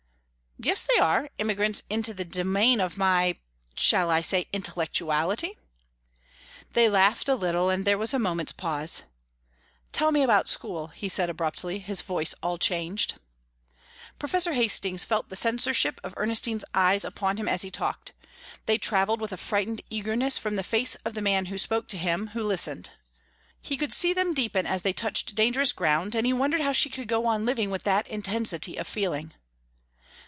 "Yes they are; immigrants into the domain of my shall I say intellectuality?" They laughed a little, and there was a moment's pause. "Tell me about school," he said, abruptly, his voice all changed. Professor Hastings felt the censorship of Ernestine's eyes upon him as he talked; they travelled with a frightened eagerness from the face of the man who spoke to him who listened. He could see them deepen as they touched dangerous ground, and he wondered how she could go on living with that intensity of feeling.